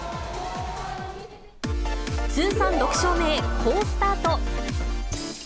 通算６勝目へ、好スタート。